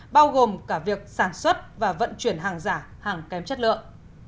bao gồm cả việc sản xuất và vận chuyển hàng giả hàng kém chất lượng